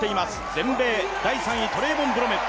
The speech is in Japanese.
全米、第３位トレイボン・ブロメル。